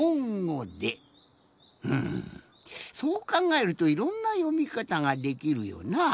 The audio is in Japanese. うんそうかんがえるといろんなよみかたができるよなあ。